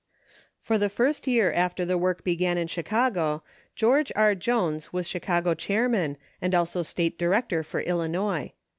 For the first year after the work began in Chicago George R. Jones was Chicago Chairman and also State Director for Illinois.